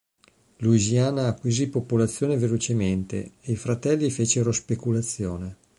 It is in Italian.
Louisiana acquisì popolazione velocemente, e i fratelli fecero speculazione.